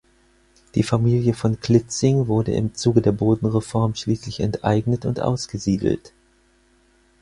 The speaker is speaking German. Die Familie von Klitzing wurde im Zuge der Bodenreform schließlich enteignet und ausgesiedelt.